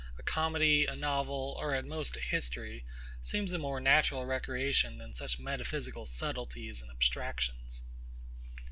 A comedy, a novel, or at most a history, seems a more natural recreation than such metaphysical subtleties and abstractions.